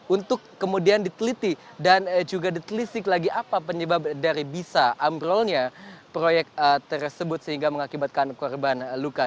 untuk kemudian diteliti dan juga ditelisik lagi apa penyebab dari bisa ambrolnya proyek tersebut sehingga mengakibatkan korban luka